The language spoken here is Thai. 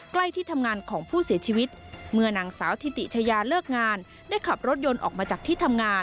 ที่ทำงานของผู้เสียชีวิตเมื่อนางสาวทิติชายาเลิกงานได้ขับรถยนต์ออกมาจากที่ทำงาน